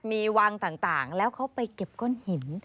มีวังต่างแล้วเขาไปเก็บก้อนหิน